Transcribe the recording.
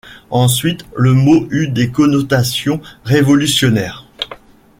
Ensuite, le mot eut des connotations révolutionnaires.